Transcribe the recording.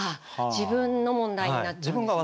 自分の問題になっちゃうんですね。